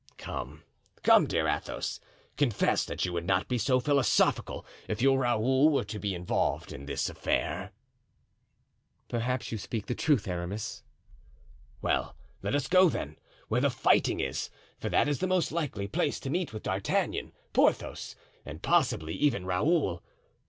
"Come, come, dear Athos, confess that you would not be so philosophical if your Raoul were to be involved in this affair." "Perhaps you speak the truth, Aramis." "Well, let us go, then, where the fighting is, for that is the most likely place to meet with D'Artagnan, Porthos, and possibly even Raoul.